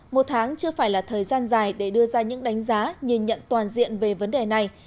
một tháng chưa phải là thời gian dài để đưa ra những đánh giá nhìn nhận toàn diện về vấn đề này